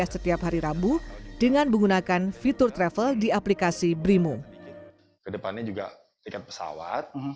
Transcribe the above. setiap hari rabu dengan menggunakan fitur travel di aplikasi brimo kedepannya juga tiket pesawat